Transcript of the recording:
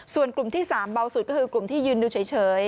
ส่วนกลุ่มที่๓เบาสุดก็คือกลุ่มที่ยืนดูเฉย